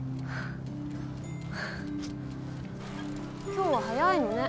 今日は早いのね。